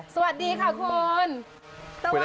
สวัสดีค่ะคุณ